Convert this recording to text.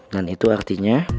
dan itu artinya